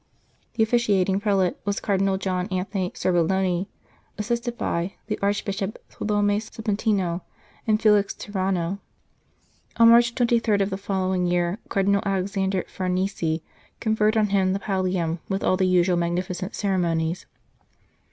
The officiating prelate was Cardinal John Anthony Serbellone, assisted by the Archbishop Tholome e Sepontino and Felix Tyranno. On March 23 of the following year Cardinal Alexander Farnese conferred on him the pallium with all the usual magnificent ceremonies.